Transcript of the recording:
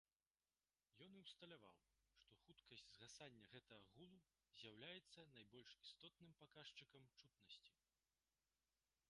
Ён і ўсталяваў, што хуткасць згасання гэтага гулу з'яўляецца найбольш істотным паказчыкам чутнасці.